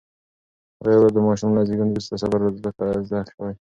هغې وویل، د ماشوم له زېږون وروسته صبر زده شوی.